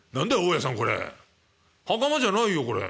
袴じゃないよこれ。